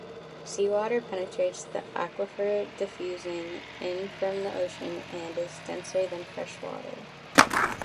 Seawater penetrates the aquifer diffusing in from the ocean and is denser than freshwater.